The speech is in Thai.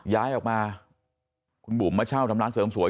ย้ายออกมาคุณบุ๋มมาเช่าทำร้านเสริมสวย